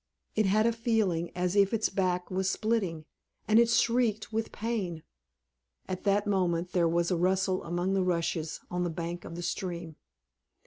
It had a feeling as if its back was splitting, and it shrieked with pain. At that moment there was a rustle among the rushes on the bank of the stream.